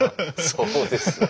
そうですね。